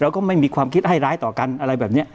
ก็ไม่มีความคิดให้ร้ายต่อกันอะไรแบบนี้